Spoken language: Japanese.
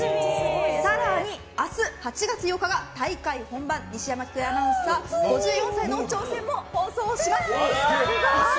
更に、明日８月８日が大会本番西山喜久恵アナウンサー５４歳の挑戦！も放送します。